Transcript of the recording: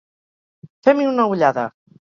Fem-hi una ullada!